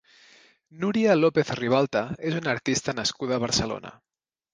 Núria López-Ribalta és una artista nascuda a Barcelona.